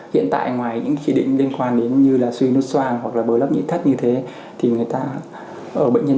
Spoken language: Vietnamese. hiện tại ngoài những kỳ định liên quan đến như là suy nút xoang hoặc là bờ lấp nhị thất như thế thì người ta ở bệnh nhân